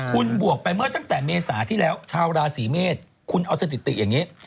คุณบวกไปเมื่อตั้งแต่เมษาที่แล้วชาวราศีเมษคุณเอาสถิติอย่างนี้